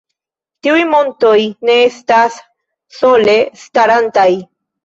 Tiuj montoj ne estas sole starantaj.